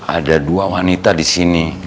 ada dua wanita di sini